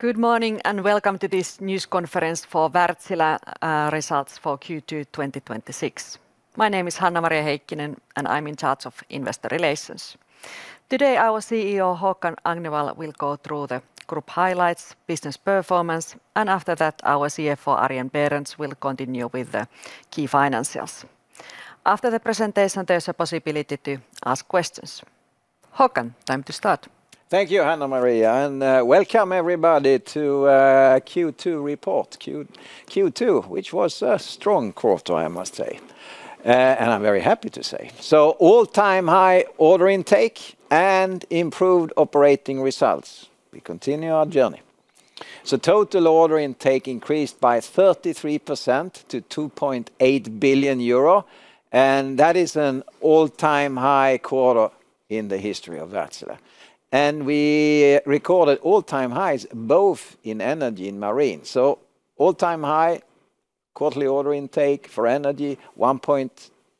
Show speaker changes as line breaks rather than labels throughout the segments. Good morning. Welcome to this news conference for Wärtsilä results for Q2 2026. My name is Hanna-Maria Heikkinen, and I am in charge of Investor Relations. Today, our Chief Executive Officer, Håkan Agnevall, will go through the group highlights, business performance, and after that, our Chief Financial Officer, Arjen Berends, will continue with the key financials. After the presentation, there is a possibility to ask questions. Håkan, time to start.
Thank you, Hanna-Maria. Welcome everybody to Q2 report. Q2, which was a strong quarter, I must say, and I am very happy to say. All-time high order intake and improved operating results. We continue our journey. Total order intake increased by 33% to 2.8 billion euro, and that is an all-time high quarter in the history of Wärtsilä. We recorded all-time highs both in Energy and Marine. All-time high quarterly order intake for Energy,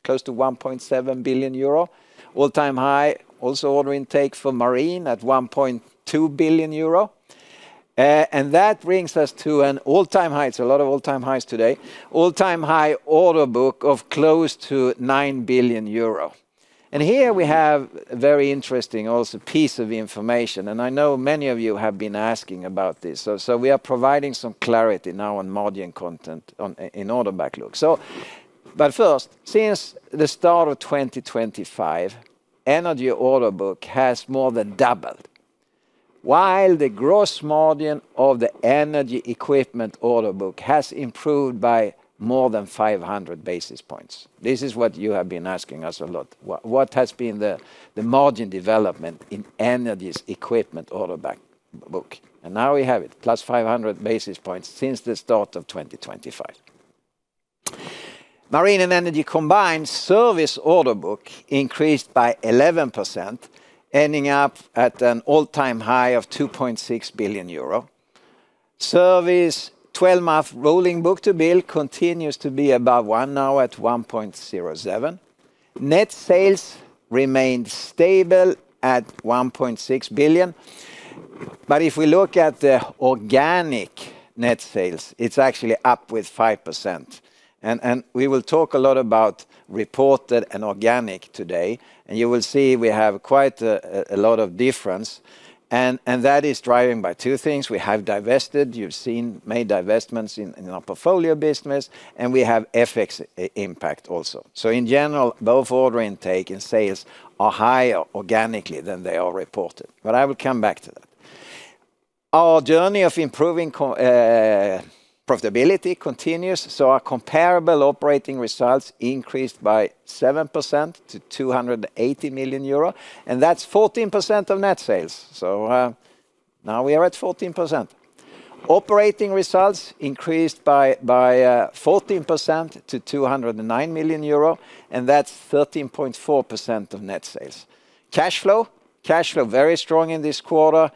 close to 1.7 billion euro. All-time high also order intake for Marine at 1.2 billion euro. That brings us to an all-time high. A lot of all-time highs today. All-time high order book of close to 9 billion euro. Here we have very interesting also piece of information, and I know many of you have been asking about this. We are providing some clarity now on margin content in order backlog. First, since the start of 2025, Energy order book has more than doubled, while the gross margin of the Energy equipment order book has improved by more than 500 basis points. This is what you have been asking us a lot. What has been the margin development in Energy's equipment order book? Now we have it, +500 basis points since the start of 2025. Marine and Energy combined service order book increased by 11%, ending up at an all-time high of 2.6 billion euro. Service 12-month rolling book-to-bill continues to be above one now at 1.07. Net sales remained stable at 1.6 billion. If we look at the organic net sales, it is actually up with 5%. We will talk a lot about reported and organic today. You will see we have quite a lot of difference, and that is driven by two things. We have divested, you have seen, made divestments in our portfolio business, and we have FX impact also. In general, both order intake and sales are higher organically than they are reported. I will come back to that. Our journey of improving profitability continues. Our comparable operating results increased by 7% to 280 million euro, and that is 14% of net sales. Now we are at 14%. Operating results increased by 14% to 209 million euro, and that is 13.4% of net sales. Cash flow. Cash flow very strong in this quarter,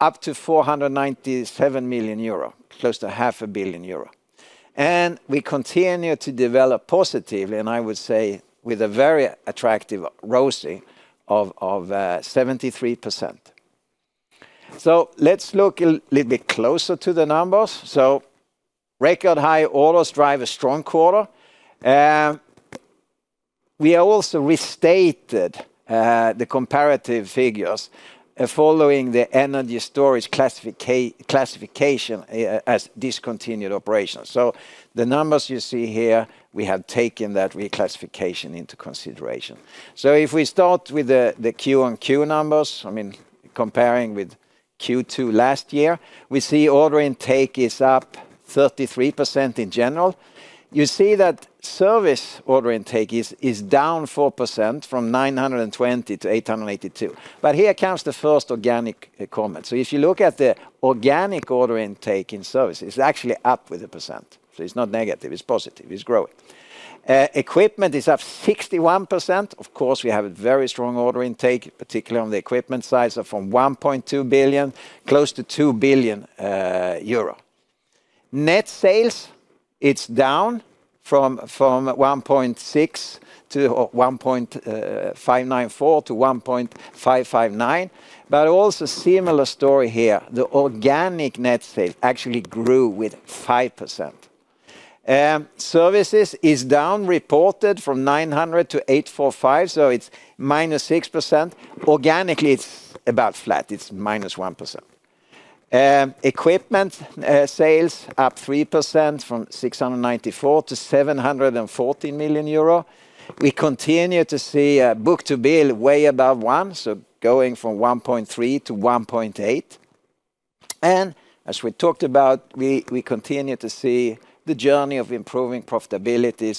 up to 497 million euro, close to 500 million euro. We continue to develop positively, and I would say with a very attractive ROCE of 73%. Let us look a little bit closer to the numbers. Record high orders drive a strong quarter. We also restated the comparative figures following the Energy Storage classification as discontinued operations. The numbers you see here, we have taken that reclassification into consideration. If we start with the quarter-on-quarter numbers, comparing with Q2 last year, we see order intake is up 33% in general. You see that service order intake is down 4% from 920 million-882 million. Here comes the first organic comment. If you look at the organic order intake in services, it's actually up with 1%. It's not negative, it's positive, it's growing. Equipment is up 61%. Of course, we have a very strong order intake, particularly on the equipment side, from 1.2 billion, close to 2 billion euro. Net sales, it's down from 1.6 billion-1.594 billion-EUR 1.559 billion, but also similar story here. The organic net sales actually grew with 5%. Services is down reported from 900 million-845 million, so it's -6%. Organically, it's about flat, it's -1%. Equipment sales up 3% from 694 million-740 million euro. We continue to see book-to-bill way above one, going from 1.3-1.8. As we talked about, we continue to see the journey of improving profitability.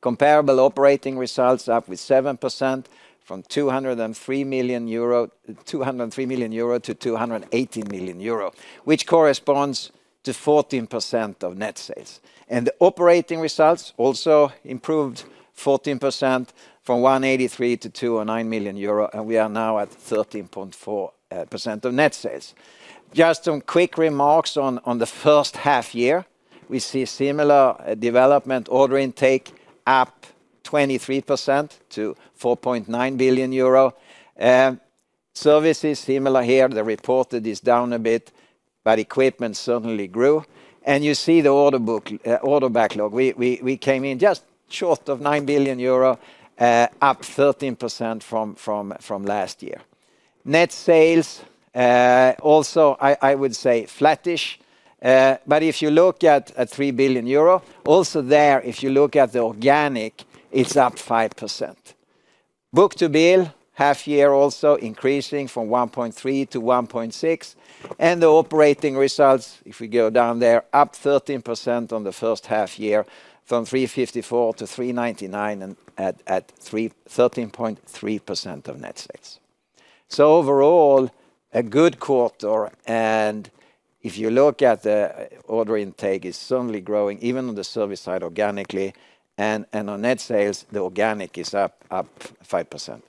Comparable operating results up with 7% from 203 million-280 million euro, which corresponds to 14% of net sales. The operating results also improved 14% from 183 million-209 million euro, and we are now at 13.4% of net sales. Just some quick remarks on the first half year. We see similar development, order intake up 23% to 4.9 billion euro. Services similar here. The reported is down a bit, but equipment certainly grew. You see the order backlog. We came in just short of 9 billion euro, up 13% from last year. Net sales, also, I would say flat-ish. If you look at 3 billion euro, also there, if you look at the organic, it's up 5%. Book-to-bill, half year also increasing from 1.3-1.6. The operating results, if we go down there, up 13% on the first half year from 354 million-399 million, and at 13.3% of net sales. Overall, a good quarter, and if you look at the order intake is certainly growing, even on the service side organically, and on net sales, the organic is up 5%.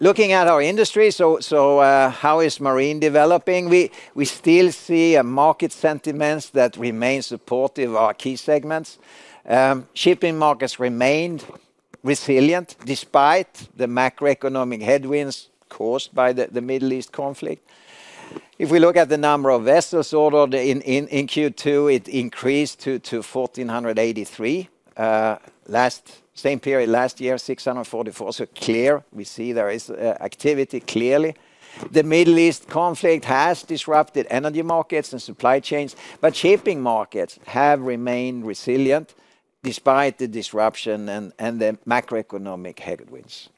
Looking at our industry, how is marine developing? We still see market sentiments that remain supportive of our key segments. Shipping markets remained resilient despite the macroeconomic headwinds caused by the Middle East conflict. If we look at the number of vessels ordered in Q2, it increased to 1,483. Same period last year, 644. Clear, we see there is activity clearly. The Middle East conflict has disrupted energy markets and supply chains, but shipping markets have remained resilient despite the disruption and the macroeconomic headwinds.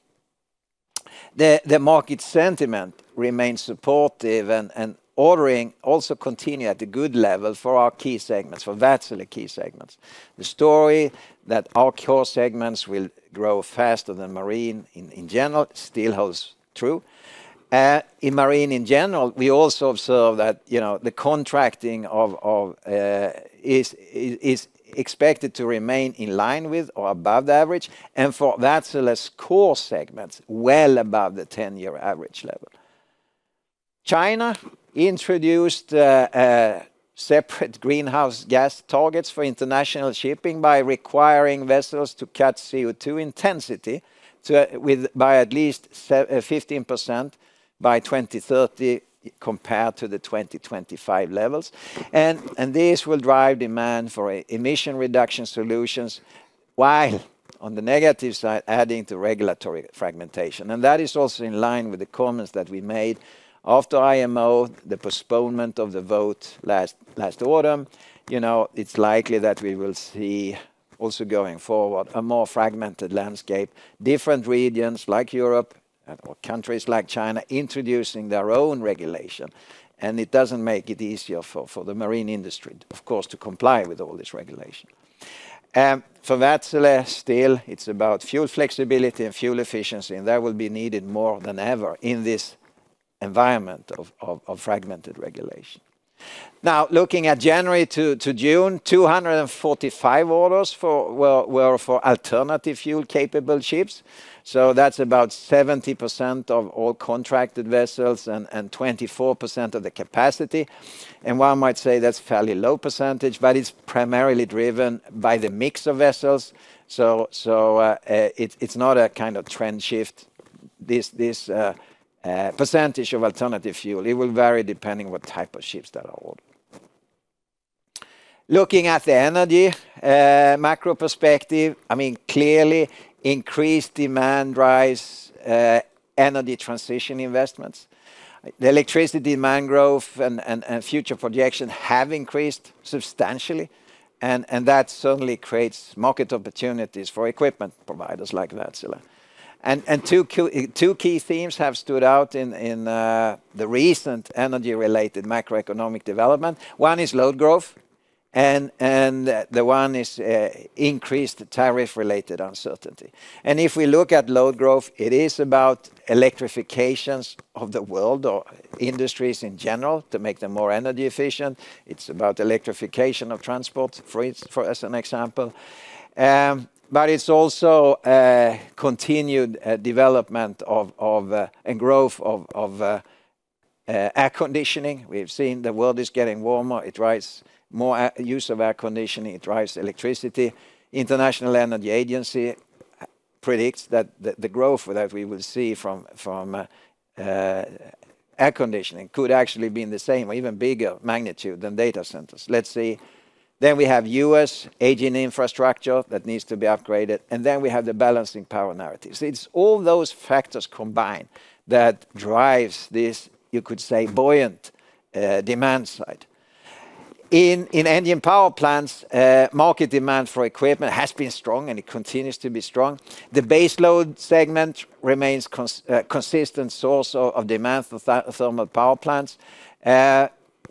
The market sentiment remains supportive, and ordering also continue at a good level for our key segments, for Wärtsilä key segments. The story that our core segments will grow faster than marine in general still holds true. In marine in general, we also observe that the contracting is expected to remain in line with or above the average, and for Wärtsilä's core segments, well above the 10-year average level. China introduced separate greenhouse gas targets for international shipping by requiring vessels to cut CO₂ intensity by at least 15% by 2030 compared to the 2025 levels. This will drive demand for emission reduction solutions, while on the negative side, adding to regulatory fragmentation. That is also in line with the comments that we made after IMO, the postponement of the vote last autumn. It's likely that we will see also going forward a more fragmented landscape, different regions like Europe or countries like China introducing their own regulation, it doesn't make it easier for the marine industry, of course, to comply with all this regulation. For Wärtsilä still, it's about fuel flexibility and fuel efficiency, and that will be needed more than ever in this environment of fragmented regulation. Looking at January to June, 245 orders were for alternative fuel-capable ships. That's about 70% of all contracted vessels and 24% of the capacity. One might say that's fairly low percentage, but it's primarily driven by the mix of vessels. It's not a kind of trend shift, this percentage of alternative fuel. It will vary depending what type of ships that are ordered. Looking at the energy macro perspective, clearly increased demand rise, energy transition investments. The electricity demand growth and future projection have increased substantially, and that certainly creates market opportunities for equipment providers like Wärtsilä. Two key themes have stood out in the recent energy-related macroeconomic development. One is load growth, the one is increased tariff-related uncertainty. If we look at load growth, it is about electrifications of the world or industries in general to make them more energy efficient. It's about electrification of transport, as an example. It's also continued development and growth of air-conditioning. We have seen the world is getting warmer. It drives more use of air-conditioning. It drives electricity. International Energy Agency predicts that the growth that we will see from air-conditioning could actually be in the same or even bigger magnitude than data centers. Let's see. Then we have U.S. aging infrastructure that needs to be upgraded, then we have the balancing power narrative. It's all those factors combined that drives this, you could say, buoyant demand side. In engine power plants, market demand for equipment has been strong, it continues to be strong. The base load segment remains consistent source of demand for thermal power plants,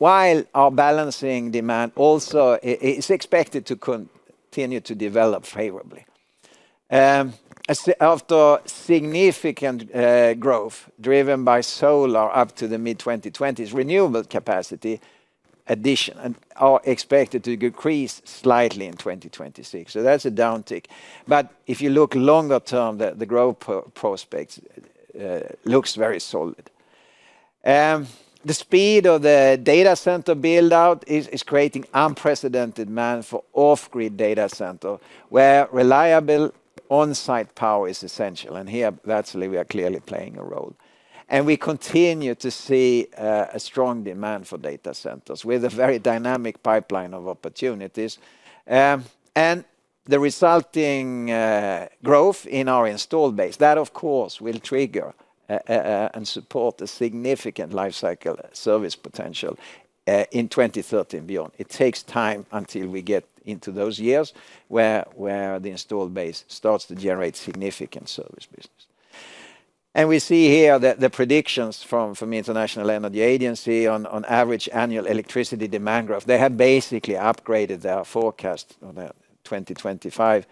while our balancing demand also is expected to continue to develop favorably. After significant growth driven by solar up to the mid-2020s, renewable capacity addition are expected to decrease slightly in 2026. That's a downtick. If you look longer term, the growth prospects looks very solid. The speed of the data center build-out is creating unprecedented demand for off-grid data center, where reliable on-site power is essential. Here, Wärtsilä, we are clearly playing a role. We continue to see a strong demand for data centers with a very dynamic pipeline of opportunities. The resulting growth in our installed base, that of course will trigger and support a significant life cycle service potential in 2030 and beyond. It takes time until we get into those years, where the installed base starts to generate significant service business. We see here the predictions from the International Energy Agency on average annual electricity demand growth. They have basically upgraded their forecast on that 2025,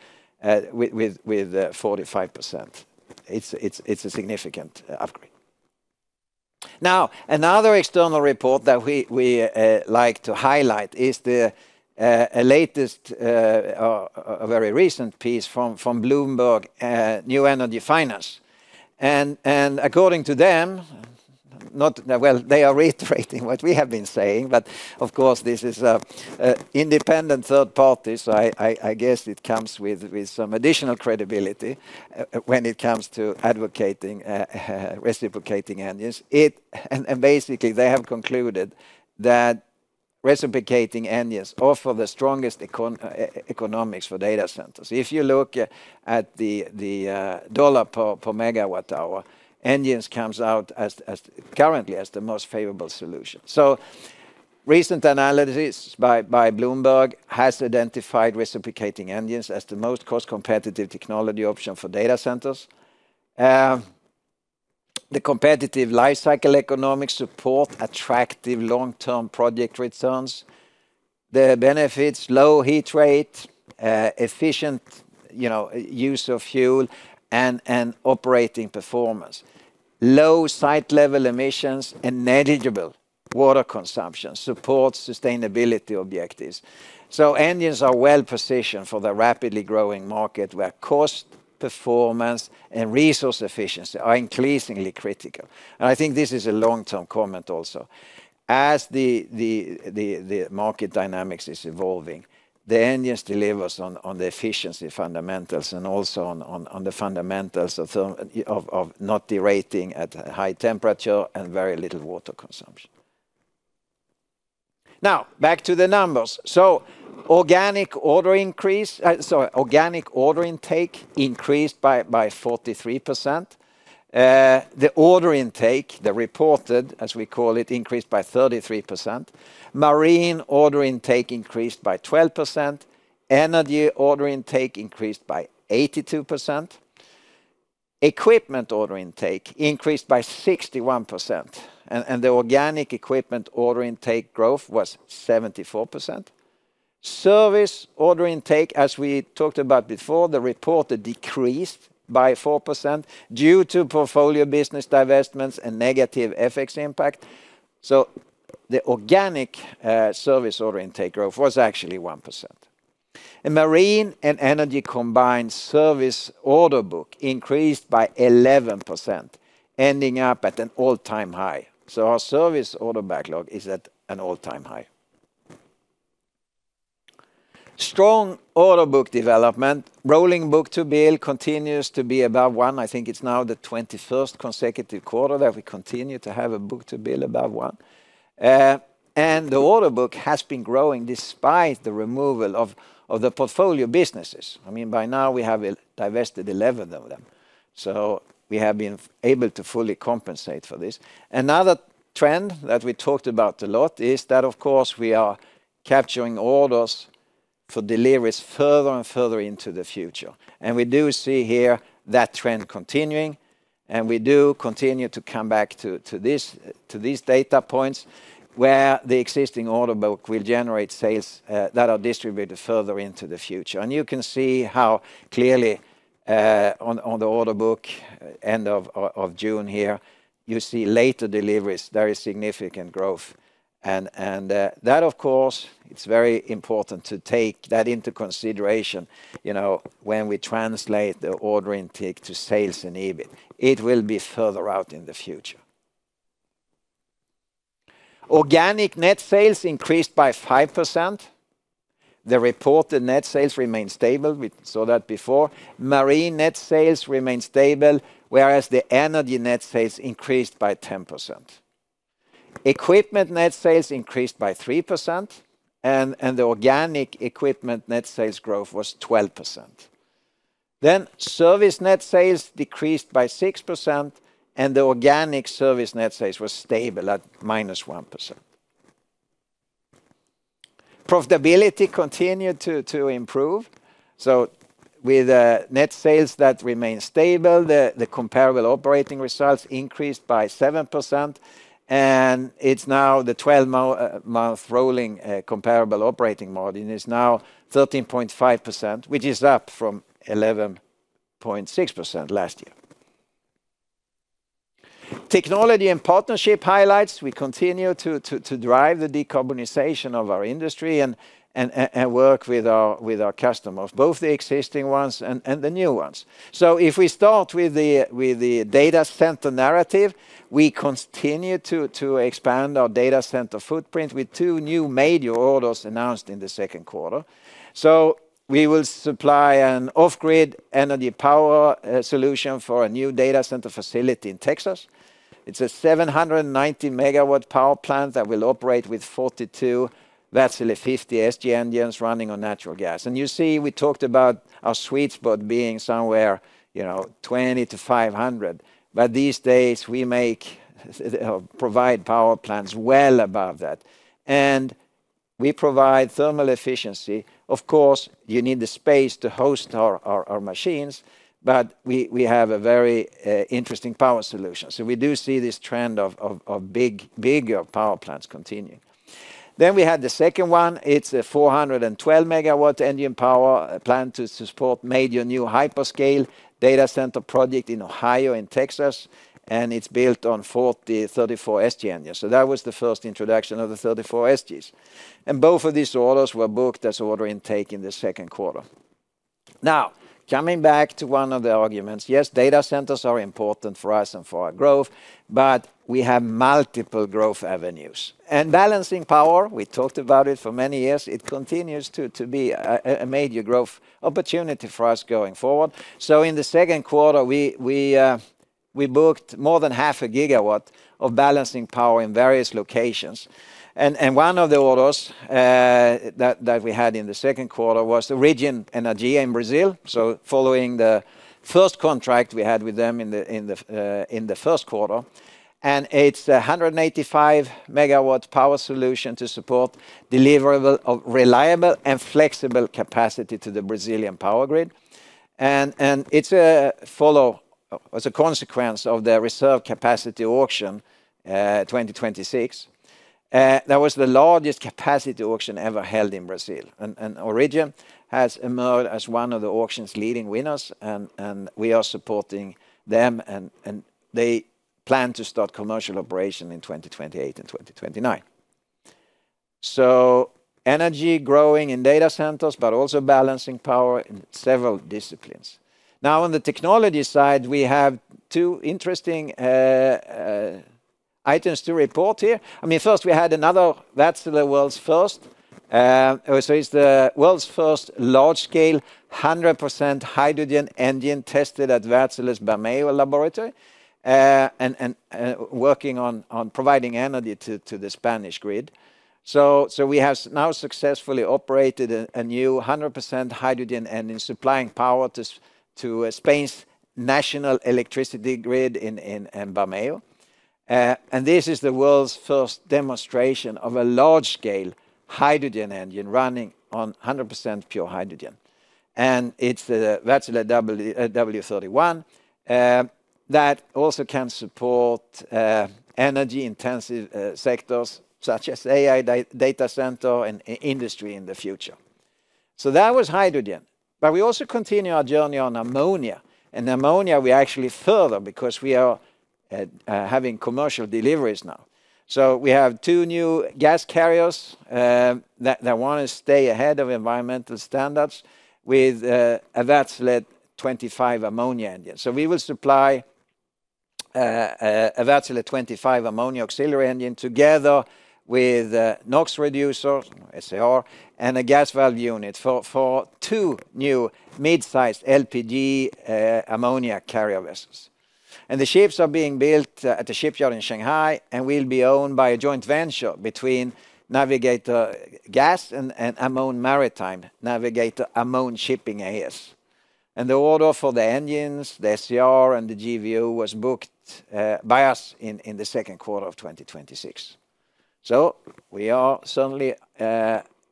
with 45%. It's a significant upgrade. Another external report that we like to highlight is the latest, a very recent piece from Bloomberg New Energy Finance. According to them, well, they are reiterating what we have been saying, but of course, this is independent third party, so I guess it comes with some additional credibility when it comes to reciprocating engines. Basically, they have concluded that reciprocating engines offer the strongest economics for data centers. If you look at the dollar per Megawatt-hour, engines comes out currently as the most favorable solution. Recent analysis by Bloomberg has identified reciprocating engines as the most cost-competitive technology option for data centers. The competitive life cycle economics support attractive long-term project returns. The benefits, low heat rate, efficient use of fuel and operating performance, low site-level emissions, and negligible water consumption supports sustainability objectives. Engines are well-positioned for the rapidly growing market where cost, performance, and resource efficiency are increasingly critical. I think this is a long-term comment also. As the market dynamics is evolving, the engines delivers on the efficiency fundamentals and also on the fundamentals of not derating at high temperature and very little water consumption. Back to the numbers. Organic order intake increased by 43%. The order intake, the reported, as we call it, increased by 33%. Marine order intake increased by 12%. Energy order intake increased by 82%. Equipment order intake increased by 61%, and the organic equipment order intake growth was 74%. Service order intake, as we talked about before, the reported decreased by 4% due to portfolio business divestments and negative FX impact. The organic service order intake growth was actually 1%. In Marine and Energy combined service order book increased by 11%, ending up at an all-time high. Our service order backlog is at an all-time high. Strong order book development. Rolling book-to-bill continues to be above one. I think it's now the 21st consecutive quarter that we continue to have a book-to-bill above one. The order book has been growing despite the removal of the portfolio businesses. By now we have divested 11 of them. We have been able to fully compensate for this. Another trend that we talked about a lot is that, of course, we are capturing orders for deliveries further and further into the future. We do see here that trend continuing, and we do continue to come back to these data points where the existing order book will generate sales that are distributed further into the future. You can see how clearly, on the order book end of June here, you see later deliveries, very significant growth. That, of course, it's very important to take that into consideration, when we translate the order intake to sales and EBIT, it will be further out in the future. Organic net sales increased by 5%. The reported net sales remained stable. We saw that before. Marine net sales remained stable, whereas the energy net sales increased by 10%. Equipment net sales increased by 3%, and the organic equipment net sales growth was 12%. Service net sales decreased by 6%, and the organic service net sales was stable at -1%. Profitability continued to improve. With net sales that remained stable, the comparable operating results increased by 7%, and it's now the 12-month rolling comparable operating margin is now 13.5%, which is up from 11.6% last year. Technology and partnership highlights. We continue to drive the decarbonization of our industry and work with our customers, both the existing ones and the new ones. If we start with the data center narrative, we continue to expand our data center footprint with two new major orders announced in the second quarter. We will supply an off-grid energy power solution for a new data center facility in Texas. It is a 790 MW power plant that will operate with 42 Wärtsilä 50SG engines running on natural gas. You see, we talked about our sweet spot being somewhere 20-500, but these days, we provide power plants well above that, and we provide thermal efficiency. Of course, you need the space to host our machines, but we have a very interesting power solution. We do see this trend of bigger power plants continuing. We had the second one, it is a 412 MW engine power plant to support major new hyperscale data center project in Ohio and Texas, and it is built on 34SG engines. That was the first introduction of the 34SGs. Both of these orders were booked as order intake in the second quarter. Coming back to one of the arguments, yes, data centers are important for us and for our growth, but we have multiple growth avenues. Balancing power, we talked about it for many years, it continues to be a major growth opportunity for us going forward. In the second quarter, we booked more than 0.5 GW Of balancing power in various locations. One of the orders that we had in the second quarter was the Origem Energia in Brazil, following the first contract we had with them in the first quarter, and it is a 185 MW power solution to support deliverable of reliable and flexible capacity to the Brazilian power grid. It is a consequence of their reserve capacity auction 2026. That was the largest capacity auction ever held in Brazil, and Origem has emerged as one of the auction's leading winners, and we are supporting them, and they plan to start commercial operation in 2028 and 2029. Energy growing in data centers, but also balancing power in several disciplines. On the technology side, we have two interesting items to report here. First, we had another, Wärtsilä world's first. It is the world's first large-scale 100% hydrogen engine tested at Wärtsilä's Bermeo laboratory, and working on providing energy to the Spanish grid. We have now successfully operated a new 100% hydrogen engine supplying power to Spain's national electricity grid in Bermeo. This is the world's first demonstration of a large-scale hydrogen engine running on 100% pure hydrogen. It is the Wärtsilä W31 that also can support energy-intensive sectors such as AI, data center, and industry in the future. That was hydrogen, but we also continue our journey on ammonia. Ammonia, we actually further because we are having commercial deliveries now. We have two new gas carriers that want to stay ahead of environmental standards with a Wärtsilä 25 ammonia engine. We will supply a Wärtsilä 25 ammonia auxiliary engine together with a NOx reducer, SCR, and a gas valve unit for two new mid-sized LPG ammonia carrier vessels. The ships are being built at a shipyard in Shanghai and will be owned by a joint venture between Navigator Gas and Amon Maritime, Navigator Amon Shipping AS. The order for the engines, the SCR, and the GVU was booked by us in the second quarter of 2026. We are certainly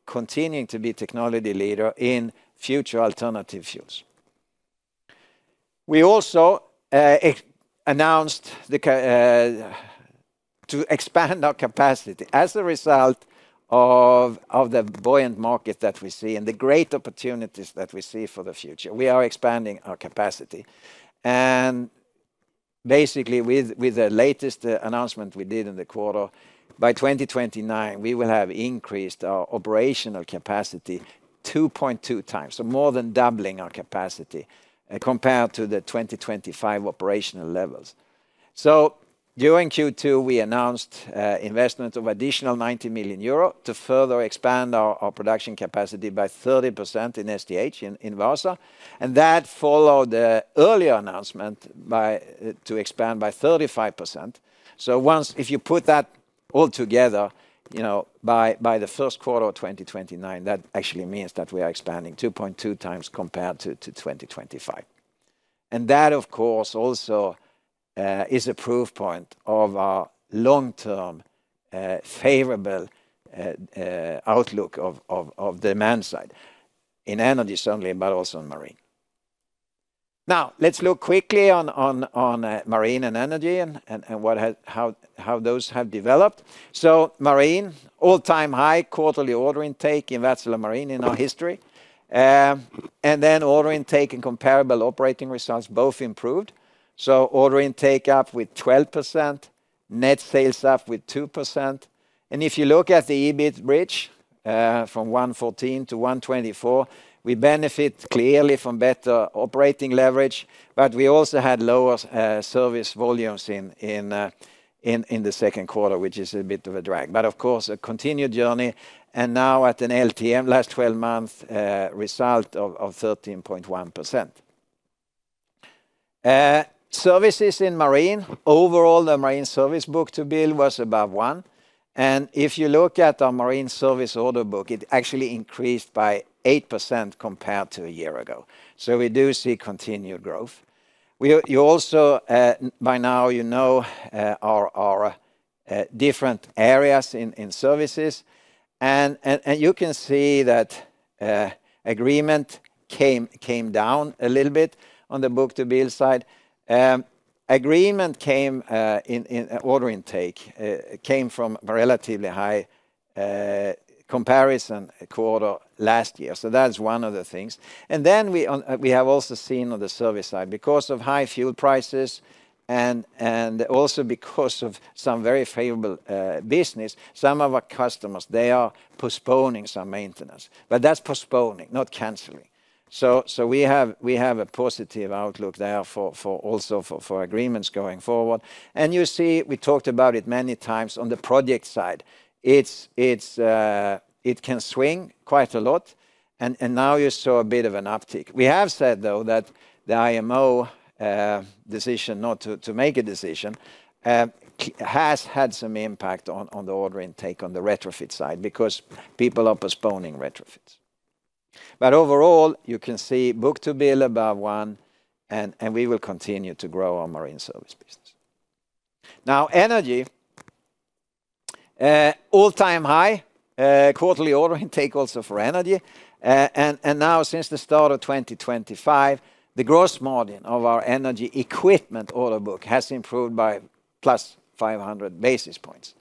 continuing to be technology leader in future alternative fuels. We also announced to expand our capacity as a result of the buoyant market that we see and the great opportunities that we see for the future. We are expanding our capacity. Basically, with the latest announcement we did in the quarter, by 2029, we will have increased our operational capacity 2.2x, so more than doubling our capacity compared to the 2025 operational levels. During Q2, we announced investment of additional 90 million euro to further expand our production capacity by 30% in STH in Vaasa, and that followed the earlier announcement to expand by 35%. If you put that all together, by the first quarter of 2029, that actually means that we are expanding 2.2x compared to 2025. That, of course, also is a proof point of our long-term favorable outlook of demand side in Energy, certainly, but also in Marine. Let's look quickly on Marine and Energy and how those have developed. Marine, all-time high quarterly order intake in Wärtsilä Marine in our history. Order intake and comparable operating results both improved. Order intake up with 12%. Net sales up with 2%. If you look at the EBIT bridge from 114-124, we benefit clearly from better operating leverage, but we also had lower service volumes in the second quarter, which is a bit of a drag. But of course, a continued journey, and now at an LTM, last 12-month, result of 13.1%. Services in Marine. Overall, the Marine service book-to-bill was above one. If you look at our Marine service order book, it actually increased by 8% compared to a year ago. We do see continued growth. Also, by now you know our different areas in services, and you can see that agreement came down a little bit on the book-to-bill side. Agreement order intake came from a relatively high comparison quarter last year. That's one of the things. We have also seen on the service side, because of high fuel prices and also because of some very favorable business, some of our customers, they are postponing some maintenance. That's postponing, not canceling. We have a positive outlook there also for agreements going forward. You see, we talked about it many times on the project side. It can swing quite a lot, and now you saw a bit of an uptick. We have said, though, that the IMO decision not to make a decision has had some impact on the order intake on the retrofit side, because people are postponing retrofits. But overall, you can see book-to-bill above one, and we will continue to grow our Marine service business. Energy, all-time high quarterly order intake also for Energy. Now since the start of 2025, the gross margin of our Energy equipment order book has improved by +500 basis points.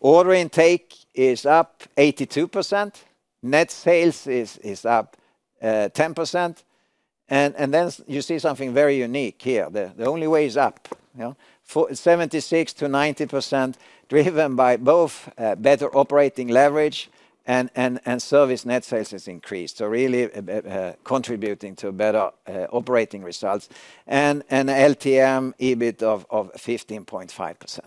Order intake is up 82%, net sales is up 10%. You see something very unique here. The only way is up. 76%-90% driven by both better operating leverage and service net sales has increased, really contributing to better operating results and an LTM EBIT of 15.5%.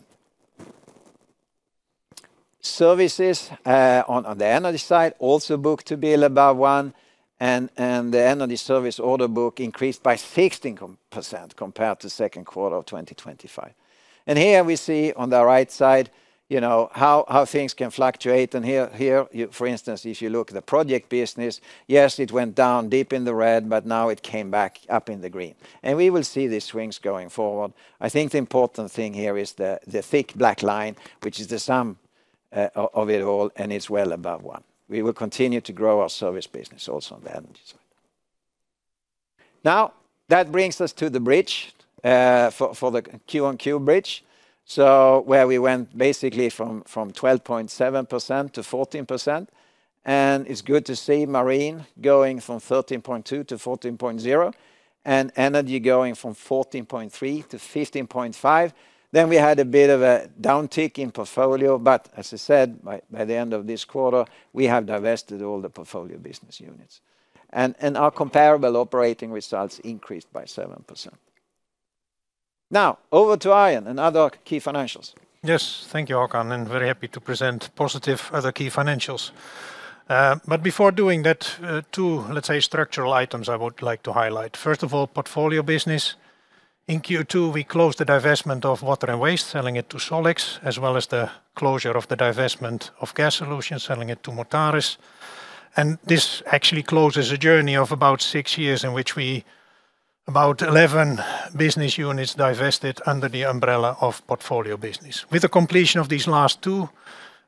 Services on the Energy side, also book-to-bill above one. The Energy service order book increased by 16% compared to second quarter of 2025. Here we see on the right side how things can fluctuate. Here, for instance, if you look at the project business, yes, it went down deep in the red, but now it came back up in the green. We will see these swings going forward. I think the important thing here is the thick black line, which is the sum of it all. It's well above one. We will continue to grow our service business also on the Energy side. That brings us to the bridge, for the quarter-on-quarter bridge. Where we went basically from 12.7%-14%, it's good to see Marine going from 13.2%-14.0% and Energy going from 14.3%-15.5%. We had a bit of a downtick in portfolio, but as I said, by the end of this quarter, we have divested all the portfolio business units. Our comparable operating results increased by 7%. Over to Arjen and other key financials.
Thank you, Håkan. Very happy to present positive other key financials. Before doing that, two structural items I would like to highlight. First of all, portfolio business. In Q2, we closed the divestment of Water and Waste, selling it to Solix, as well as the closure of the divestment of Gas Solutions, selling it to Mutares. This actually closes a journey of about six years in which about 11 business units divested under the umbrella of portfolio business. With the completion of these last two,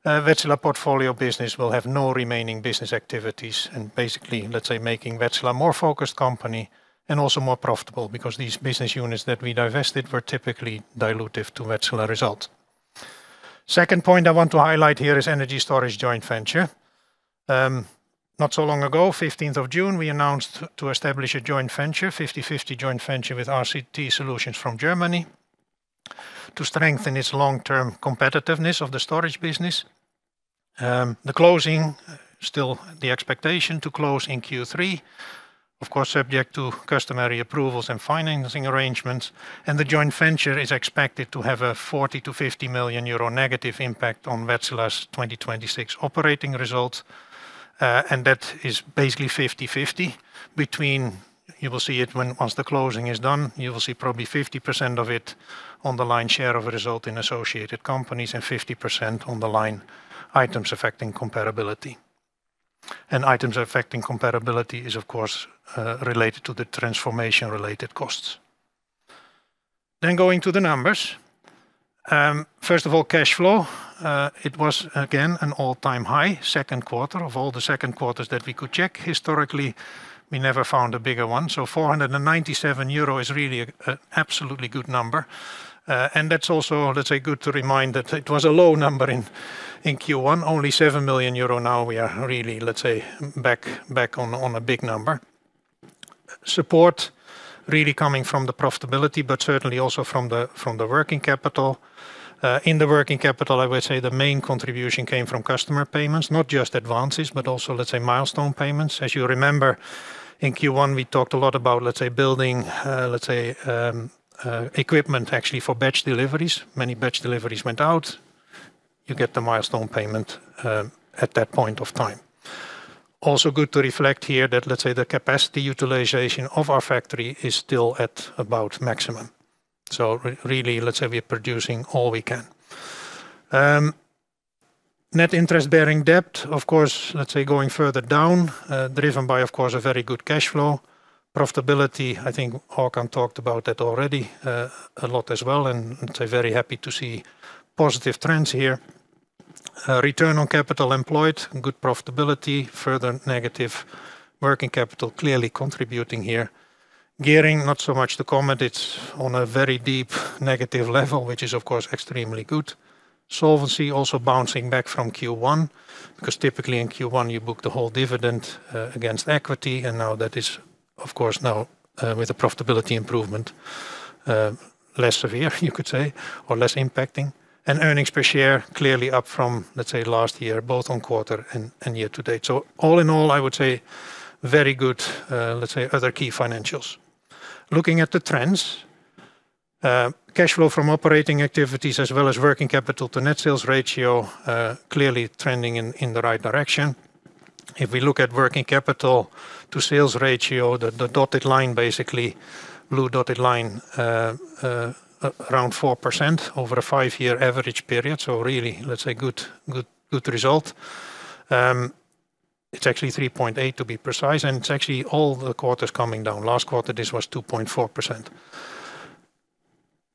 Wärtsilä portfolio business will have no remaining business activities and basically making Wärtsilä a more focused company and also more profitable because these business units that we divested were typically dilutive to Wärtsilä results. Second point I want to highlight here is Energy Storage joint venture. Not so long ago, June 15th, we announced to establish a 50/50 joint venture with RCT Solutions from Germany to strengthen its long-term competitiveness of the storage business. The expectation to close in Q3, of course, subject to customary approvals and financing arrangements. The joint venture is expected to have a 40 million-50 million euro negative impact on Wärtsilä's 2026 operating results. That is basically 50/50 between, you will see it once the closing is done, you will see probably 50% of it on the line share of a result in associated companies and 50% on the line items affecting comparability. Items affecting comparability is, of course, related to the transformation-related costs. Going to the numbers. First of all, cash flow. It was again an all-time high, second quarter. Of all the second quarters that we could check historically, we never found a bigger one. 497 euro is really an absolutely good number. That's also, let's say, good to remind that it was a low number in Q1, only 7 million euro. We are really, let's say, back on a big number. Support really coming from the profitability, but certainly also from the working capital. In the working capital, I would say the main contribution came from customer payments. Not just advances, but also, let's say, milestone payments. As you remember, in Q1, we talked a lot about building equipment actually for batch deliveries. Many batch deliveries went out. You get the milestone payment at that point of time. Also good to reflect here that the capacity utilization of our factory is still at about maximum. We are producing all we can. Net interest-bearing debt, of course, going further down, driven by, of course, a very good cash flow. Profitability, I think Håkan talked about that already a lot as well, very happy to see positive trends here. Return on capital employed, good profitability, further negative working capital clearly contributing here. Gearing, not so much to comment. It's on a very deep negative level, which is, of course, extremely good. Solvency also bouncing back from Q1, because typically in Q1, you book the whole dividend against equity, now that is, of course, now with the profitability improvement, less severe, you could say, or less impacting. Earnings per share clearly up from last year, both on quarter and year to date. All in all, I would say very good other key financials. Looking at the trends. Cash flow from operating activities as well as working capital to net sales ratio, clearly trending in the right direction. If we look at working capital to sales ratio, the dotted line basically, blue dotted line, around 4% over a five-year average period. Really, good result. It's actually 3.8% to be precise, it's actually all the quarters coming down. Last quarter, this was 2.4%.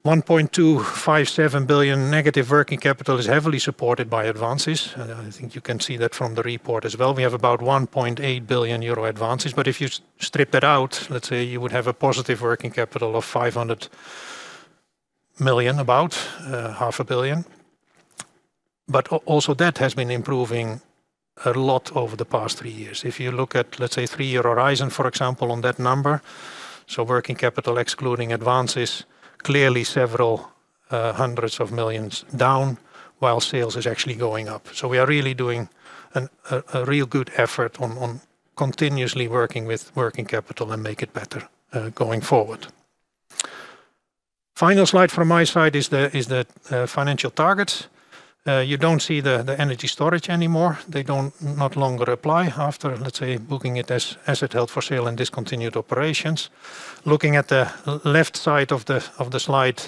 -1.257 billion working capital is heavily supported by advances. I think you can see that from the report as well. We have about 1.8 billion euro advances. If you strip that out, you would have a positive working capital of 500 million, about 500 million. Also that has been improving a lot over the past three years. If you look at three-year horizon, for example, on that number, working capital excluding advances, clearly several hundreds of millions Euro down while sales is actually going up. We are really doing a real good effort on continuously working with working capital and make it better going forward. Final slide from my side is the financial targets. You don't see the Energy Storage anymore. They no longer apply after booking it as asset held for sale and discontinued operations. Looking at the left side of the slide.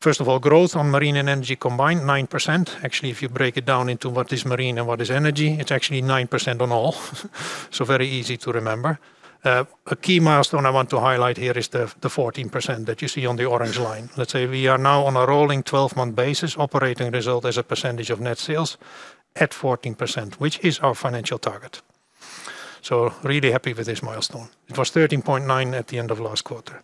First of all, growth on Marine and Energy combined, 9%. If you break it down into what is Marine and what is Energy, it's actually 9% on all, very easy to remember. A key milestone I want to highlight here is the 14% that you see on the orange line. We are now on a rolling 12-month basis operating result as a percentage of net sales at 14%, which is our financial target. Really happy with this milestone. It was 13.9% at the end of last quarter.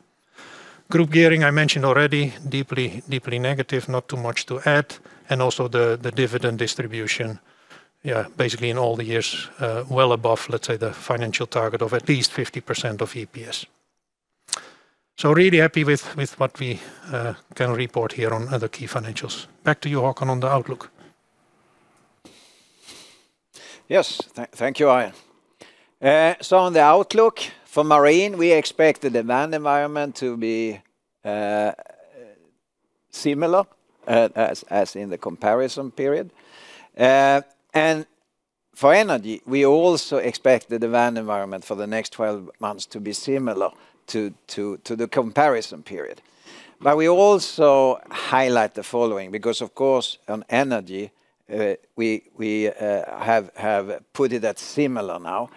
Group gearing, I mentioned already, deeply negative, not too much to add. Also the dividend distribution, basically in all the years, well above the financial target of at least 50% of EPS. Really happy with what we can report here on other key financials. Back to you, Håkan, on the outlook.
Yes. Thank you, Arjen. On the outlook for Marine, we expect the demand environment to be similar as in the comparison period. For Energy, we also expect the demand environment for the next 12 months to be similar to the comparison period. We also highlight the following, because of course, on Energy, we have put it at similar now.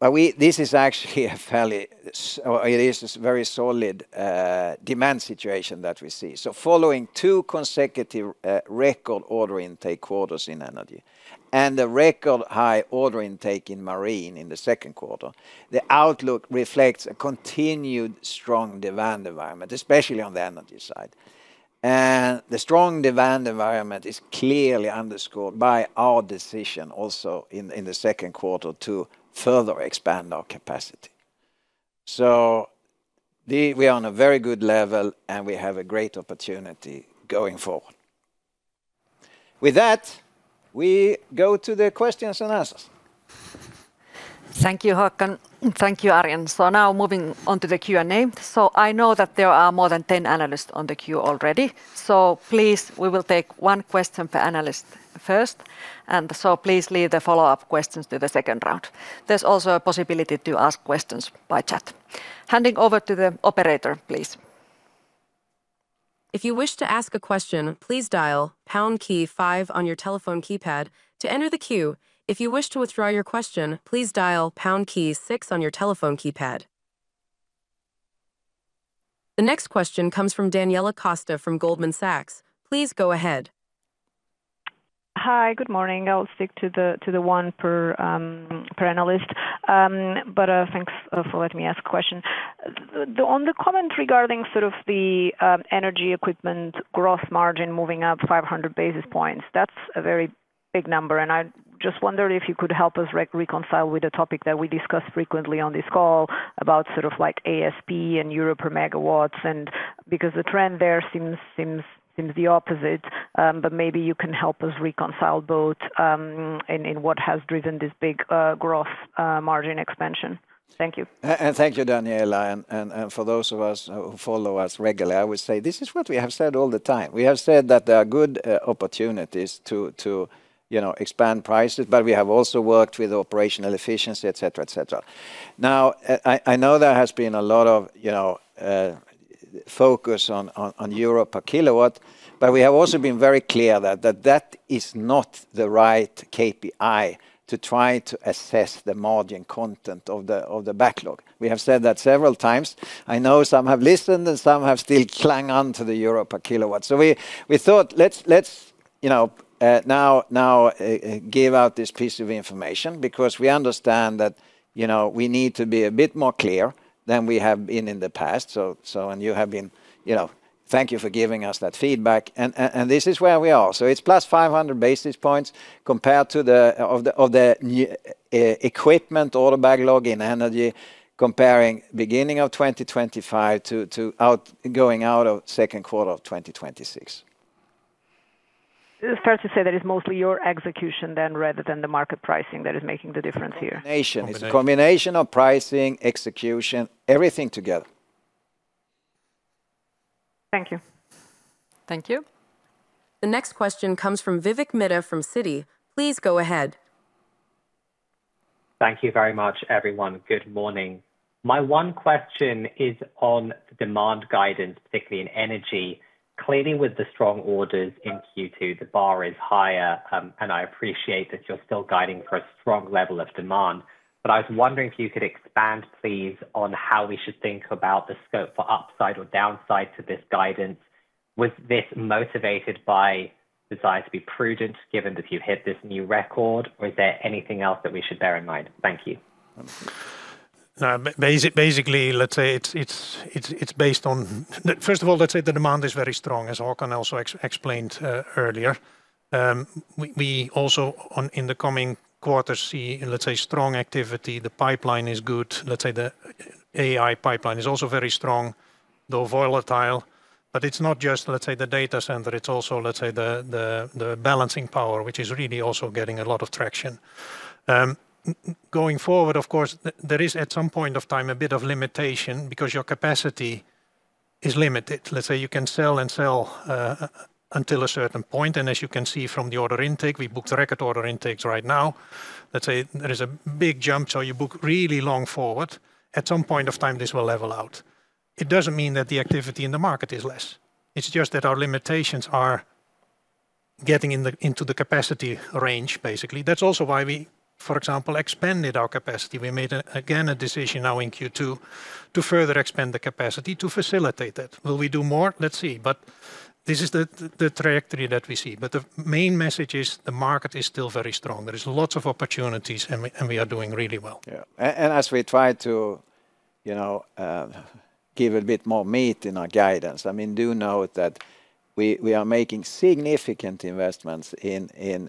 This is actually a very solid demand situation that we see. Following two consecutive record order intake quarters in Energy and the record high order intake in Marine in the second quarter, the outlook reflects a continued strong demand environment, especially on the Energy side. The strong demand environment is clearly underscored by our decision also in the second quarter to further expand our capacity. We are on a very good level, and we have a great opportunity going forward. With that, we go to the questions-and-answers.
Thank you, Håkan. Thank you, Arjen. Now moving on to the Q&A. I know that there are more than 10 analysts on the queue already. Please, we will take one question per analyst first, and please leave the follow-up questions to the second round. There is also a possibility to ask questions by chat. Handing over to the operator, please.
If you wish to ask a question, please dial pound key five on your telephone keypad to enter the queue. If you wish to withdraw your question, please dial pound key six on your telephone keypad. The next question comes from Daniela Costa from Goldman Sachs. Please go ahead.
Hi, good morning. I will stick to the one per analyst. Thanks for letting me ask a question. On the comment regarding sort of the Energy equipment gross margin moving up 500 basis points, that is a very big number, and I just wondered if you could help us reconcile with a topic that we discuss frequently on this call about ASP and euro per megawatts, because the trend there seems the opposite. Maybe you can help us reconcile both in what has driven this big gross margin expansion. Thank you.
Thank you, Daniela. For those of us who follow us regularly, I would say this is what we have said all the time. We have said that there are good opportunities to expand prices, but we have also worked with operational efficiency, et cetera. Now, I know there has been a lot of focus on euro per kilowatt, but we have also been very clear that that is not the right KPI to try to assess the margin content of the backlog. We have said that several times. I know some have listened and some have still clung on to the euro per kilowatt. We thought, let us now give out this piece of information because we understand that we need to be a bit more clear than we have been in the past. Thank you for giving us that feedback. This is where we are. It is +500 basis points compared to the equipment order backlog in Energy comparing beginning of 2025 to going out of second quarter of 2026.
It is fair to say that it's mostly your execution then rather than the market pricing that is making the difference here.
It's a combination.
Combination. It's a combination of pricing, execution, everything together.
Thank you.
Thank you.
The next question comes from Vivek Midha from Citi. Please go ahead.
Thank you very much, everyone. Good morning. My one question is on demand guidance, particularly in energy. Clearly, with the strong orders in Q2, the bar is higher. I appreciate that you're still guiding for a strong level of demand. I was wondering if you could expand, please, on how we should think about the scope for upside or downside to this guidance. Was this motivated by desire to be prudent given that you've hit this new record, or is there anything else that we should bear in mind? Thank you.
Basically, first of all, let's say the demand is very strong, as Håkan also explained earlier. We also, in the coming quarters, see, let's say, strong activity. The pipeline is good. Let's say the AI pipeline is also very strong, though volatile, but it's not just the data center. It's also the balancing power, which is really also getting a lot of traction. Going forward, of course, there is, at some point of time, a bit of limitation because your capacity is limited. Let's say you can sell and sell until a certain point, as you can see from the order intake, we booked record order intakes right now. Let's say there is a big jump, you book really long forward. At some point of time, this will level out. It doesn't mean that the activity in the market is less. It's just that our limitations are getting into the capacity range, basically. That's also why we, for example, expanded our capacity. We made, again, a decision now in Q2 to further expand the capacity to facilitate that. Will we do more? Let's see. This is the trajectory that we see. The main message is the market is still very strong. There is lots of opportunities, and we are doing really well.
Yeah. As we try to give a bit more meat in our guidance, do note that we are making significant investments in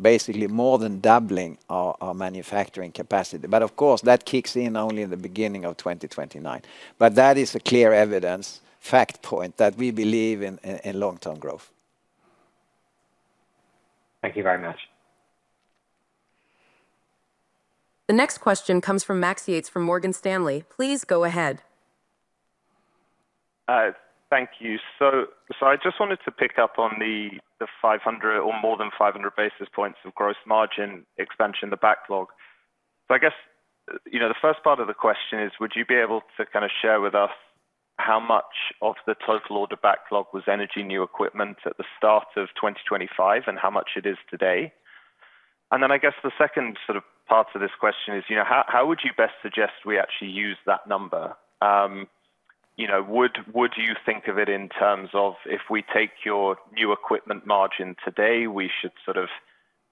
basically more than doubling our manufacturing capacity. Of course, that kicks in only in the beginning of 2029. That is a clear evidence, fact point, that we believe in long-term growth.
Thank you very much.
The next question comes from Max Yates from Morgan Stanley. Please go ahead.
Thank you. I just wanted to pick up on the more than 500 basis points of gross margin expansion, the backlog. I guess, the first part of the question is, would you be able to share with us how much of the total order backlog was energy new equipment at the start of 2025, and how much it is today? I guess the second part to this question is, how would you best suggest we actually use that number? Would you think of it in terms of if we take your new equipment margin today, we should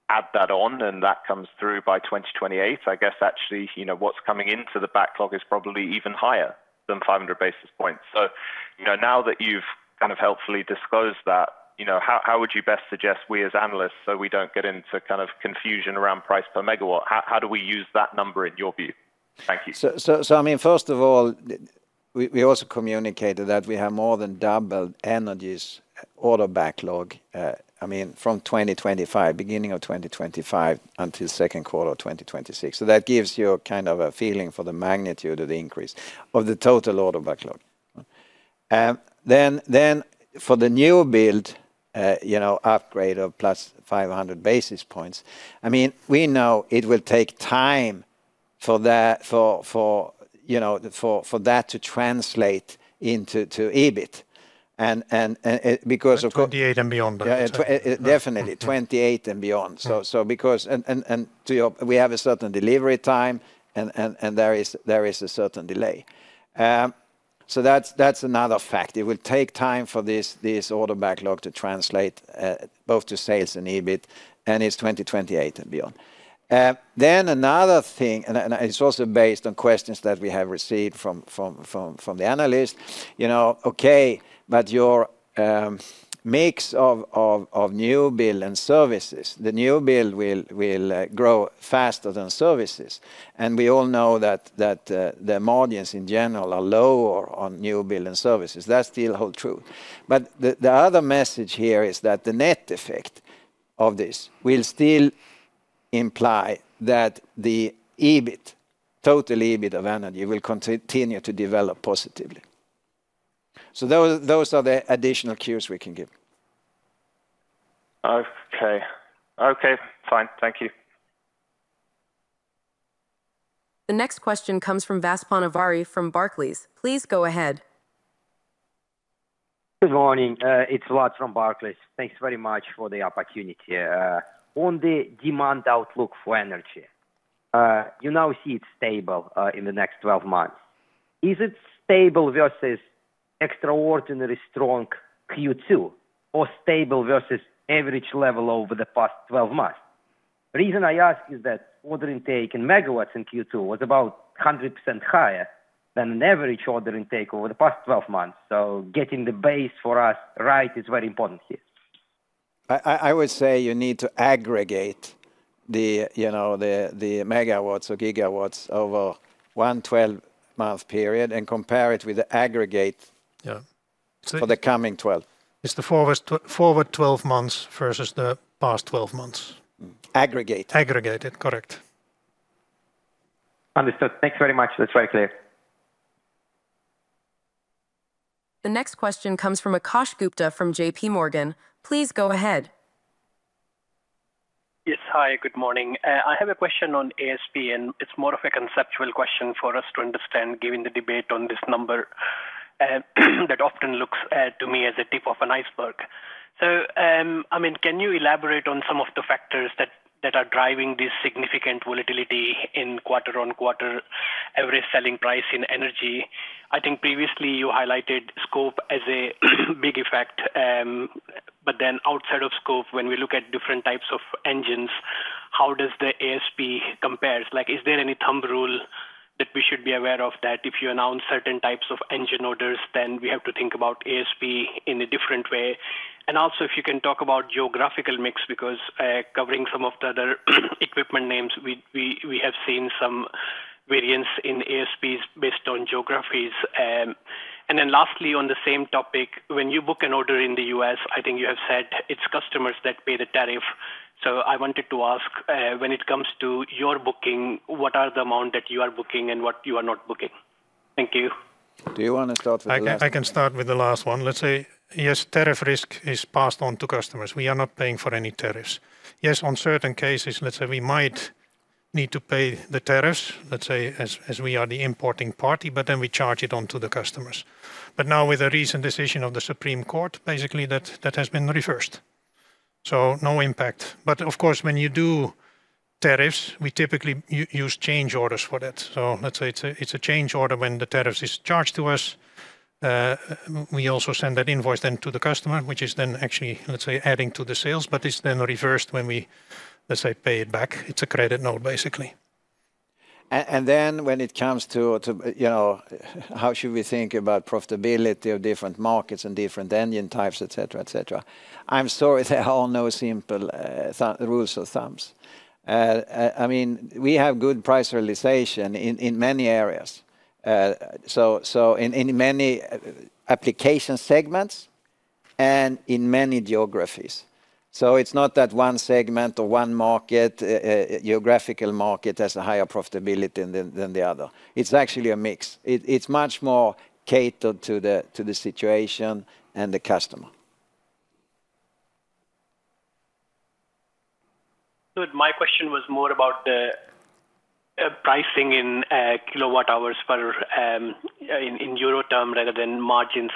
add that on, and that comes through by 2028? I guess actually, what's coming into the backlog is probably even higher than 500 basis points. Now that you've helpfully disclosed that, how would you best suggest we, as analysts, so we don't get into confusion around price per megawatt, how do we use that number in your view? Thank you.
First of all, we also communicated that we have more than doubled engines order backlog from beginning of 2025 until second quarter of 2026. That gives you a feeling for the magnitude of the increase of the total order backlog. For the new build, upgrade of +500 basis points, we know it will take time for that to translate into EBIT.
2028 and beyond.
Yeah. Definitely, 2028 and beyond. We have a certain delivery time, and there is a certain delay. That's another fact. It will take time for this order backlog to translate both to sales and EBIT, and it's 2028 and beyond. Another thing, and it's also based on questions that we have received from the analyst. Okay, but your
Mix of new build and services. The new build will grow faster than services. We all know that the margins in general are lower on new build and services. That still hold true. The other message here is that the net effect of this will still imply that the total EBIT of energy will continue to develop positively. Those are the additional cues we can give.
Okay. Fine. Thank you.
The next question comes from Vas Panavari from Barclays. Please go ahead.
Good morning. It's Vas from Barclays. Thanks very much for the opportunity. On the demand outlook for energy, you now see it's stable in the next 12 months. Is it stable versus extraordinarily strong Q2, or stable versus average level over the past 12 months? Reason I ask is that order intake in megawatts in Q2 was about 100% higher than an average order intake over the past 12 months. Getting the base for us right is very important here.
I would say you need to aggregate the megawatts or gigawatts over one 12-month period and compare it with the aggregate-
Yeah
For the coming 12 months.
It's the forward 12 months versus the past 12 months.
Aggregate.
Aggregated, correct.
Understood. Thank you very much. That's very clear.
The next question comes from Akash Gupta from JPMorgan. Please go ahead.
Yes. Hi, good morning. I have a question on ASP. It's more of a conceptual question for us to understand, given the debate on this number that often looks to me as a tip of an iceberg. Can you elaborate on some of the factors that are driving this significant volatility in quarter-on-quarter average selling price in Energy? I think previously you highlighted scope as a big effect. Outside of scope, when we look at different types of engines, how does the ASP compare? Is there any thumb rule that we should be aware of that if you announce certain types of engine orders, then we have to think about ASP in a different way? Also, if you can talk about geographical mix, because, covering some of the other equipment names, we have seen some variance in ASPs based on geographies. Lastly, on the same topic, when you book an order in the U.S., I think you have said it's customers that pay the tariff. I wanted to ask, when it comes to your booking, what are the amount that you are booking and what you are not booking? Thank you.
Do you want to start with the last one?
I can start with the last one. Let's say, yes, tariff risk is passed on to customers. We are not paying for any tariffs. Yes, on certain cases, let's say we might need to pay the tariffs, let's say as we are the importing party, then we charge it on to the customers. Now with the recent decision of the Supreme Court, basically that has been reversed. No impact. Of course, when you do tariffs, we typically use change orders for that. Let's say it's a change order when the tariff is charged to us. We also send that invoice then to the customer, which is then actually, let's say, adding to the sales. It's then reversed when we, let's say, pay it back. It's a credit note, basically.
When it comes to how should we think about profitability of different markets and different engine types, et cetera, et cetera. I'm sorry, there are no simple rules of thumbs. We have good price realization in many areas. In many application segments and in many geographies. It's not that one segment or one geographical market has a higher profitability than the other. It's actually a mix. It's much more catered to the situation and the customer.
Good. My question was more about the pricing in kilowatt-hour in euro term rather than margins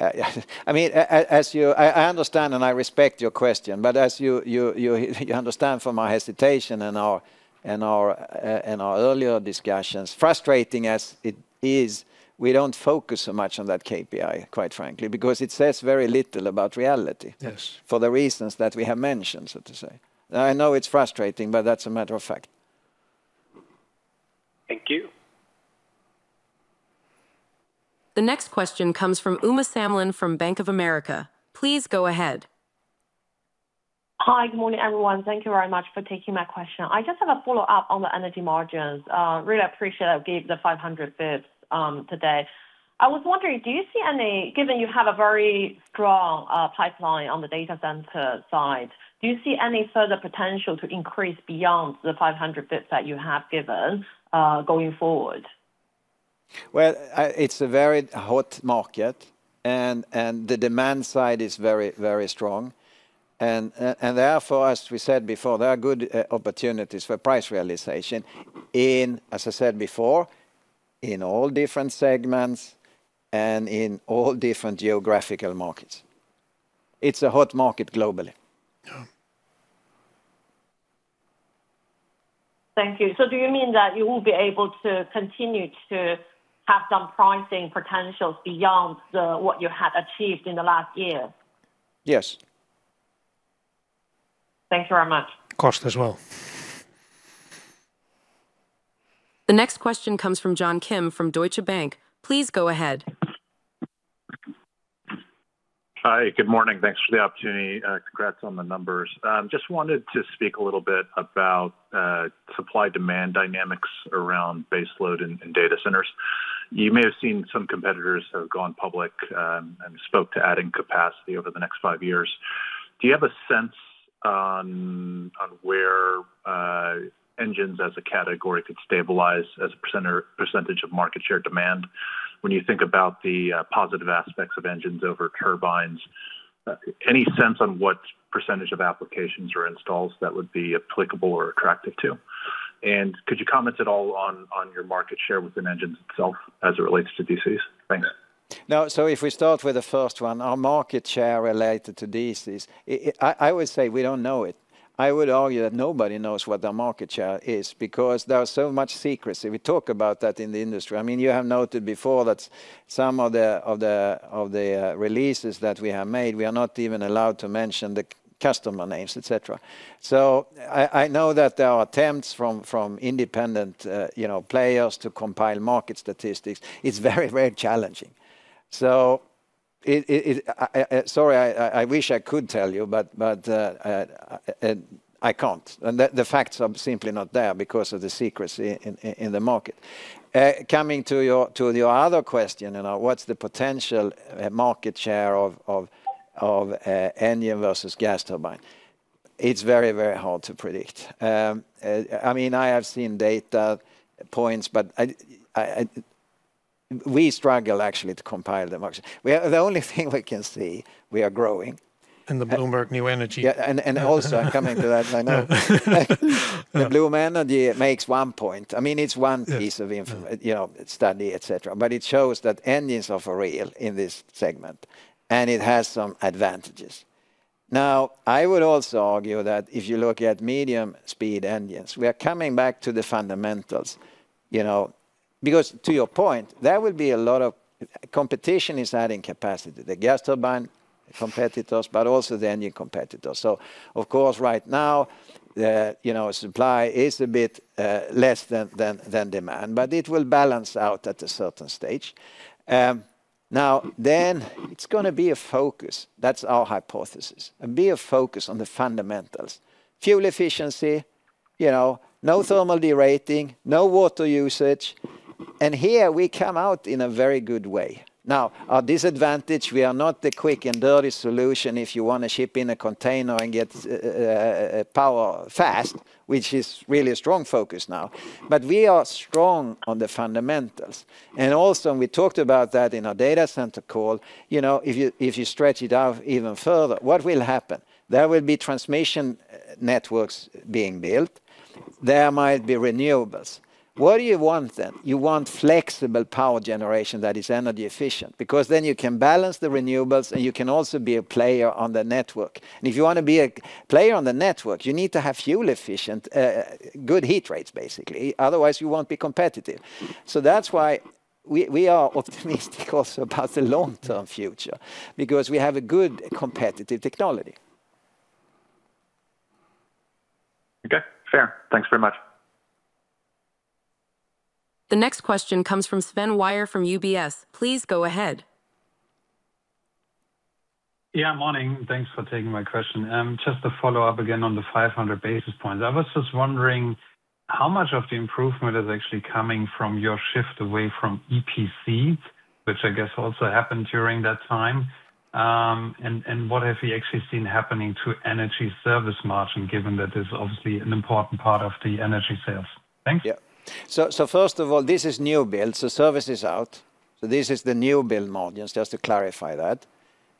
as such.
Yeah. I understand and I respect your question, but as you understand from my hesitation in our earlier discussions, frustrating as it is, we don't focus so much on that KPI, quite frankly, because it says very little about reality.
Yes.
For the reasons that we have mentioned, so to say. I know it's frustrating, but that's a matter of fact.
Thank you.
The next question comes from Uma Samlin from Bank of America. Please go ahead.
Hi, good morning, everyone. Thank you very much for taking my question. I just have a follow-up on the energy margins. Really appreciate that you gave the 500 basis points today. I was wondering, given you have a very strong pipeline on the data center side, do you see any further potential to increase beyond the 500 basis points that you have given, going forward?
Well, it's a very hot market, the demand side is very strong. Therefore, as we said before, there are good opportunities for price realization, as I said before, in all different segments and in all different geographical markets. It's a hot market globally.
Yeah.
Thank you. Do you mean that you will be able to continue to have some pricing potentials beyond what you have achieved in the last year?
Yes.
Thanks very much
cost as well.
The next question comes from John Kim from Deutsche Bank. Please go ahead.
Hi, good morning. Thanks for the opportunity. Congrats on the numbers. Just wanted to speak a little bit about supply-demand dynamics around baseload and data centers. You may have seen some competitors have gone public, and spoke to adding capacity over the next five years. Do you have a sense on where engines as a category could stabilize as a percentage of market share demand when you think about the positive aspects of engines over turbines? Any sense on what percentage of applications or installs that would be applicable or attractive to? Could you comment at all on your market share within engines itself as it relates to DCs? Thanks.
If we start with the first one, our market share related to DCs, I always say we don't know it. I would argue that nobody knows what the market share is because there are so much secrecy. We talk about that in the industry. You have noted before that some of the releases that we have made, we are not even allowed to mention the customer names, et cetera. I know that there are attempts from independent players to compile market statistics. It's very challenging. Sorry, I wish I could tell you, but I can't. The facts are simply not there because of the secrecy in the market. Coming to your other question, what's the potential market share of engine versus gas turbine? It's very hard to predict. I have seen data points, but we struggle actually to compile the market share. The only thing we can see, we are growing.
In the Bloomberg New Energy.
Yeah, also coming to that, I know. The BloombergNEF makes one point. It's one piece-
Yes
of study, et cetera, it shows that engines are for real in this segment, it has some advantages. I would also argue that if you look at medium-speed engines, we are coming back to the fundamentals. To your point, there will be a lot of competition is adding capacity, the gas turbine competitors, but also the engine competitors. Of course, right now, supply is a bit less than demand. It will balance out at a certain stage. It's going to be a focus. That's our hypothesis. Be a focus on the fundamentals. Fuel efficiency, no thermal derating, no water usage, and here we come out in a very good way. Our disadvantage, we are not the quick and dirty solution if you want to ship in a container and get power fast, which is really a strong focus now. We are strong on the fundamentals. Also, we talked about that in our data center call. If you stretch it out even further, what will happen? There will be transmission networks being built. There might be renewables. What do you want then? You want flexible power generation that is energy efficient, because then you can balance the renewables, and you can also be a player on the network. If you want to be a player on the network, you need to have fuel efficient, good heat rates, basically. Otherwise, you won't be competitive. That's why we are optimistic also about the long-term future, because we have a good competitive technology.
Okay, fair. Thanks very much.
The next question comes from Sven Weier from UBS. Please go ahead.
Morning. Thanks for taking my question. Just to follow up again on the 500 basis points. I was just wondering how much of the improvement is actually coming from your shift away from EPC, which I guess also happened during that time. What have you actually seen happening to energy service margin, given that it's obviously an important part of the energy sales? Thanks.
First of all, this is new build. Service is out. This is the new build margins, just to clarify that.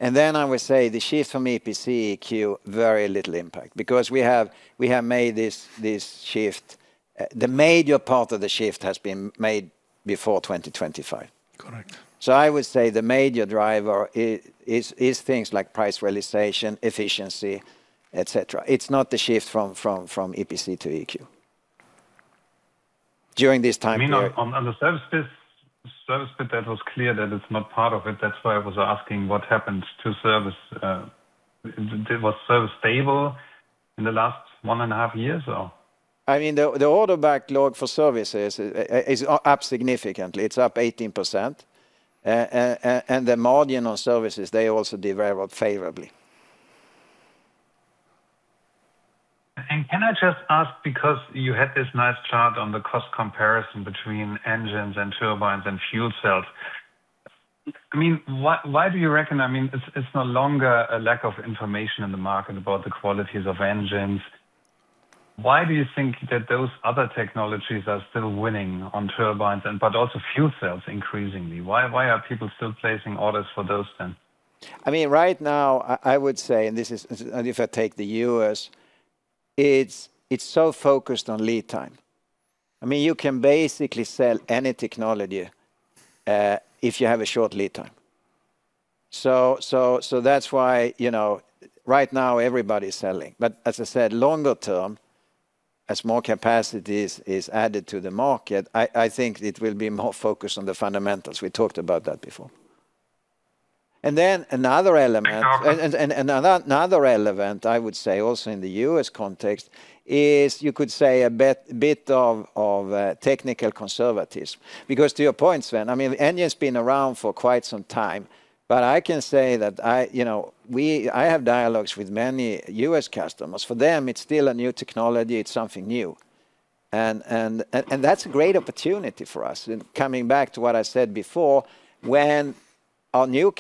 I would say the shift from EPC, EQ, very little impact because we have made this shift. The major part of the shift has been made before 2025.
Correct.
I would say the major driver is things like price realization, efficiency, et cetera. It is not the shift from EPC to EQ.
On the services bit, that was clear that it is not part of it. That is why I was asking what happened to service. Was service stable in the last one and a half years or?
The order backlog for services is up significantly. It is up 18%. The margin on services, they also developed favorably.
Can I just ask, because you had this nice chart on the cost comparison between engines and turbines and fuel cells. Why do you reckon it's no longer a lack of information in the market about the qualities of engines? Why do you think that those other technologies are still winning on turbines, but also fuel cells increasingly? Why are people still placing orders for those then?
If I take the U.S., it's so focused on lead time. You can basically sell any technology, if you have a short lead time. That's why right now everybody's selling. As I said, longer term, as more capacity is added to the market, I think it will be more focused on the fundamentals. We talked about that before. Another element I would say also in the U.S. context is you could say a bit of technical conservatism. To your point, Sven, engine's been around for quite some time, but I can say that I have dialogues with many U.S. customers. For them, it's still a new technology. It's something new. That's a great opportunity for us. Coming back to what I said before, when our new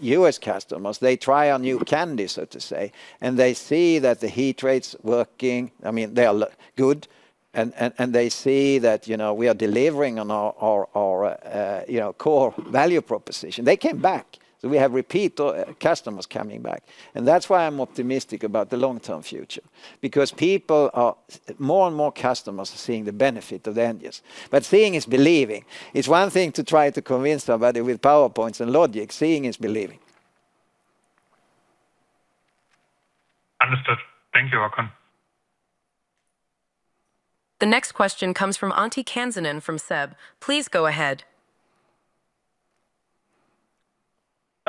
U.S. customers, they try our new candy, so to say, and they see that the heat rates working, they are good, and they see that we are delivering on our core value proposition, they come back. We have repeat customers coming back, and that's why I'm optimistic about the long-term future because more and more customers are seeing the benefit of the engines. Seeing is believing. It's one thing to try to convince somebody with PowerPoints and logic. Seeing is believing.
Understood. Thank you, Håkan.
The next question comes from Antti Kansanen from SEB. Please go ahead.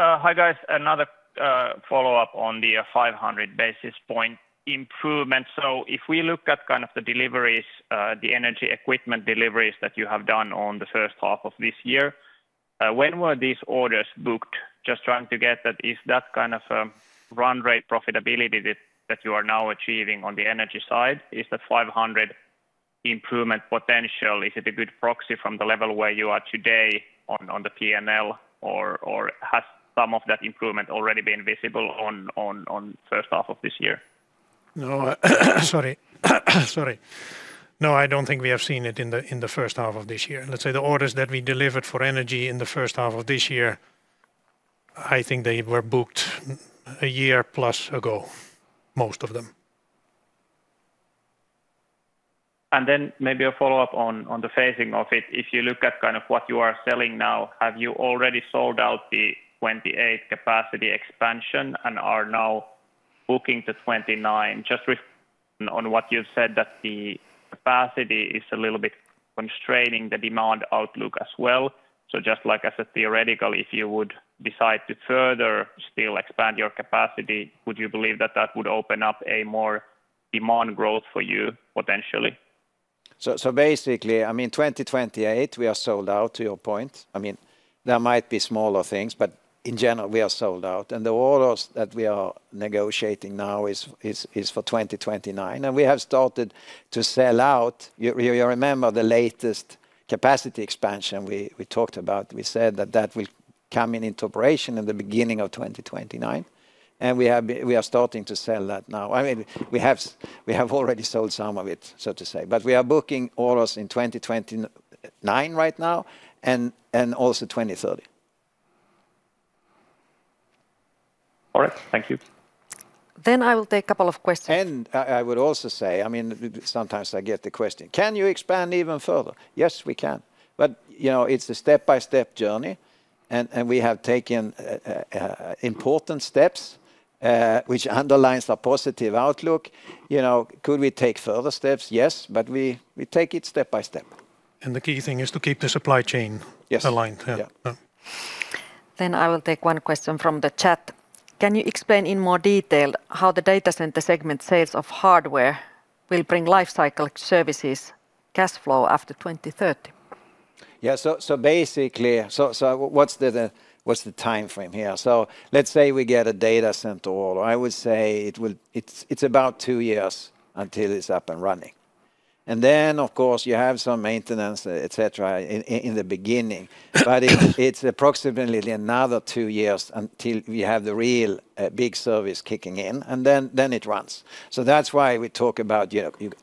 Hi, guys. Another follow-up on the 500 basis point improvement. If we look at kind of the energy equipment deliveries that you have done on the first half of this year, when were these orders booked? Just trying to get that, is that kind of run rate profitability that you are now achieving on the energy side, is the 500 improvement potential, is it a good proxy from the level where you are today on the P&L, or has some of that improvement already been visible on first half of this year?
No, sorry. I don't think we have seen it in the first half of this year. Let's say the orders that we delivered for energy in the first half of this year, I think they were booked a year+ ago, most of them.
Then maybe a follow-up on the phasing of it. If you look at kind of what you are selling now, have you already sold out the 2028 capacity expansion and are now booking to 2029? Just ref on what you've said, that the capacity is a little bit constraining the demand outlook as well. Just like as a theoretical, if you would decide to further still expand your capacity, would you believe that that would open up a more demand growth for you potentially?
Basically, 2028 we are sold out to your point. There might be smaller things, but in general, we are sold out, and the orders that we are negotiating now is for 2029, and we have started to sell out. You remember the latest capacity expansion we talked about. We said that that will come into operation in the beginning of 2029, and we are starting to sell that now. We have already sold some of it, so to say, but we are booking orders in 2029 right now and also 2030.
All right. Thank you.
I will take a couple of questions.
I would also say, sometimes I get the question, "Can you expand even further?" Yes, we can, but it's a step-by-step journey, and we have taken important steps, which underlines the positive outlook. Could we take further steps? Yes, but we take it step by step.
The key thing is to keep the supply chain-
Yes
aligned. Yeah.
Yeah.
I will take one question from the chat. Can you explain in more detail how the data center segment sales of hardware will bring life cycle services cash flow after 2030?
Yeah. What's the timeframe here? Let's say we get a data center order. I would say it's about two years until it's up and running. Then, of course, you have some maintenance, et cetera, in the beginning, but it's approximately another two years until we have the real big service kicking in, and then it runs. That's why we talk about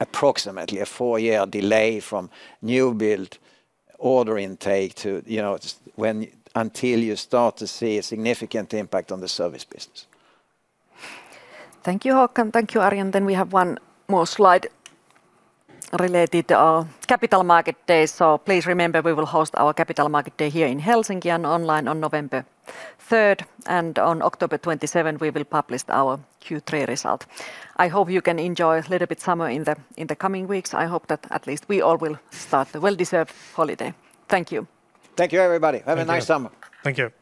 approximately a four-year delay from new build order intake until you start to see a significant impact on the service business.
Thank you, Håkan. Thank you, Arjen. We have one more slide related to our Capital Markets Day. Please remember we will host our Capital Markets Day here in Helsinki and online on November 3rd, and on October 27th, we will publish our Q3 result. I hope you can enjoy a little bit summer in the coming weeks. I hope that at least we all will start the well-deserved holiday. Thank you.
Thank you, everybody. Have a nice summer.
Thank you